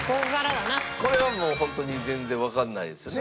これはもうホントに全然わかんないですよね。